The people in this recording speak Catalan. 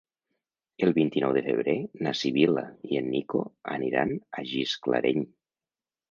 El vint-i-nou de febrer na Sibil·la i en Nico aniran a Gisclareny.